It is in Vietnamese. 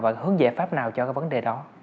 và hướng giải pháp nào cho cái vấn đề đó